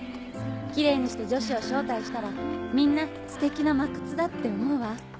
きれいにして女子を招待したらみんな素敵な魔窟だって思うわ。